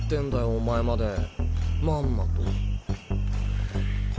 お前までまんまと。